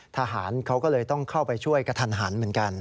ทหารเขาก็เลยต้องเข้าไปช่วยกระทันหันเหมือนกัน